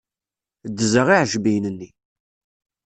Ddzeɣ iɛejmiyen-nni.